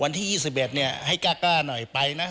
วันที่๒๑เนี่ยให้กล้ากล้าหน่อยไปนะฮะ